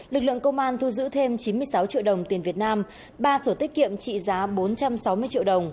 lực lượng công an thu giữ thêm chín mươi sáu triệu đồng tiền việt nam ba sổ tiết kiệm trị giá bốn trăm sáu mươi triệu đồng